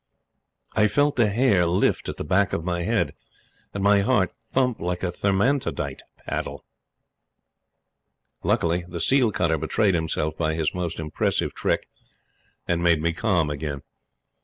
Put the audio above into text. I felt the hair lift at the back of my head, and my heart thump like a thermantidote paddle. Luckily, the seal cutter betrayed himself by his most impressive trick and made me calm again.